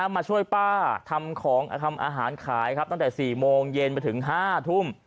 มาช่วยป้าทำอาหารขายตั้งแต่๔โมงเย็นไปถึง๕ทุ่ม